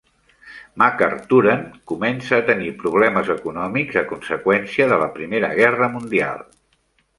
McArthuren comença a tenir problemes econòmics a conseqüència de la Primera Guerra Mundial.